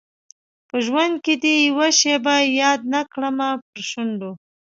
په ژوند کي دي یوه شېبه یاد نه کړمه پر شونډو